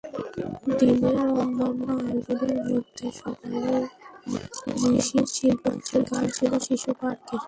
দিনের অন্যান্য আয়োজনের মধ্যে সকালে ঋষিজ শিল্পীগোষ্ঠীর গান ছিল শিশুপার্কের সামনে নারিকেলবীথি চত্বরে।